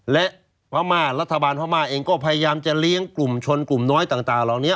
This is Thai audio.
และพม่ารัฐบาลพม่าเองก็พยายามจะเลี้ยงกลุ่มชนกลุ่มน้อยต่างเหล่านี้